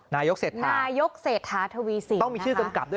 นายกเศรษฐานายกเศรษฐาทวีสินต้องมีชื่อกำกับด้วย